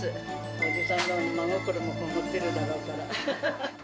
おじさんの真心もこもってるだろうから。